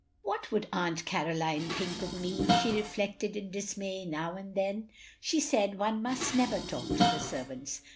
"What wotild Aunt Caroline think of me?" she reflected, in dismay, now and then. "She said one must never talk to the servants.